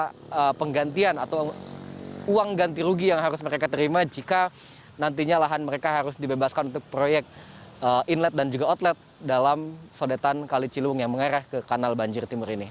ada penggantian atau uang ganti rugi yang harus mereka terima jika nantinya lahan mereka harus dibebaskan untuk proyek inlet dan juga outlet dalam sodetan kali ciliwung yang mengarah ke kanal banjir timur ini